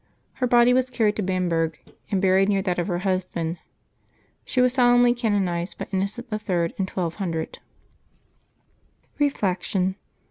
Her body was carried to Bamberg and buried near that of her husband. She was solemnly can onized by Innocent III. in 1200. Reflection.